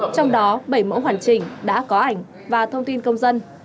trong đó bảy mẫu hoàn chỉnh đã có ảnh và thông tin công dân